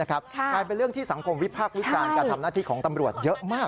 กลายเป็นเรื่องที่สังคมวิพากษ์วิจารณ์การทำหน้าที่ของตำรวจเยอะมาก